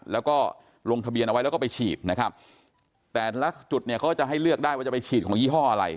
แล้วก็ลงทะเบียนเอาไว้แล้วก็ไปฉีดนะครับแต่ละจุดเนี่ยเขาจะให้เลือกได้ว่าจะไปฉีดของยี่ห้ออะไร